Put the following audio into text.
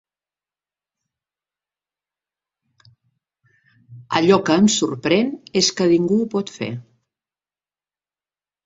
Allò que em sorprèn és que ningú ho pot fer.